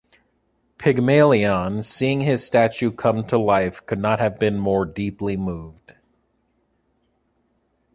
Pygmalion seeing his statue come to life could not have been more deeply moved.